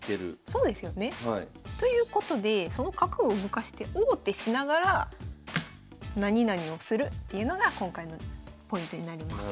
そうですよね。ということでその角を動かして王手しながら何々をするっていうのが今回のポイントになります。